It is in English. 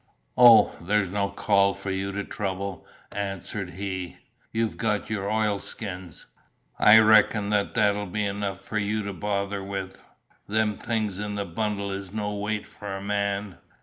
"Oh, there's no call for you to trouble," answered he, "you've got your oilskins. I reckon that'll be enough for you to bother with. Them things in the bundle is no weight for a man."